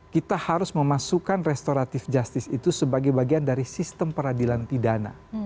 kita harus memasukkan restoratif justice itu sebagai bagian dari sistem peradilan pidana